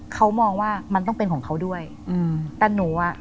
เขามองว่ามันต้องเป็นของเขาด้วยอืมแต่หนูอ่ะ